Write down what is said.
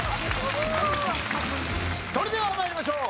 それでは参りましょう！